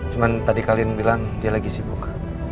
cuma tadi kalian bilang dia lagi sibuk